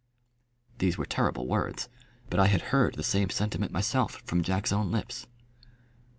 These were terrible words, but I had heard the same sentiment myself from Jack's own lips.